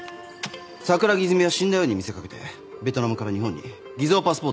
桜木泉は死んだように見せ掛けてベトナムから日本に偽造パスポートを使い入国。